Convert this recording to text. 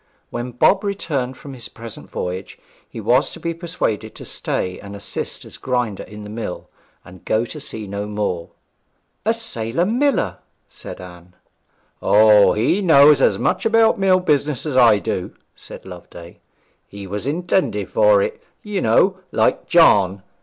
When Bob returned from his present voyage, he was to be persuaded to stay and assist as grinder in the mill, and go to sea no more. 'A sailor miller!' said Anne. 'O, he knows as much about mill business as I do,' said Loveday; 'he was intended for it, you know, like John.